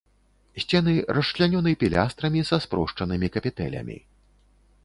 Сцены расчлянёны пілястрамі са спрошчанымі капітэлямі.